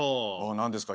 何ですか？